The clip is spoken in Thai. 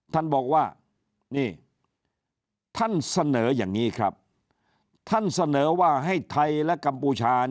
ท่านบอกว่านี่ท่านเสนออย่างนี้ครับท่านเสนอว่าให้ไทยและกัมพูชา